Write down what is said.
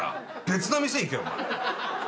別の店行けお前。